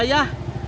nanti aku nangis ya